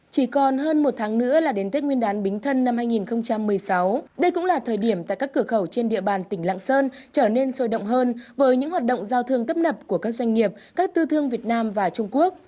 chỉ còn hơn một tháng nữa là đến tết nguyên đán bính thân năm hai nghìn một mươi sáu đây cũng là thời điểm tại các cửa khẩu trên địa bàn tỉnh lạng sơn trở nên sôi động hơn với những hoạt động giao thương tấp nập của các doanh nghiệp các tư thương việt nam và trung quốc